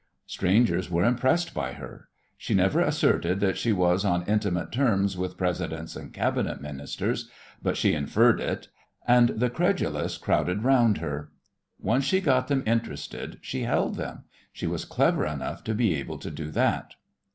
Strangers were impressed by her. She never asserted that she was on intimate terms with Presidents and Cabinet Ministers, but she inferred it, and the credulous crowded round her. Once she got them interested she held them. She was clever enough to be able to do that.